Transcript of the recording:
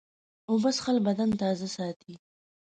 اوبه څښل بدن تازه ساتي.